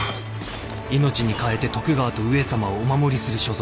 命に代えて徳川と上様をお守りする所存だ。